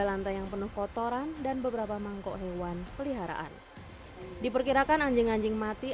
lantai yang penuh kotoran dan beberapa mangkok hewan peliharaan diperkirakan anjing anjing mati